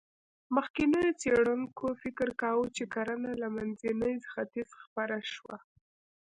مخکېنو څېړونکو فکر کاوه، چې کرنه له منځني ختیځ خپره شوه.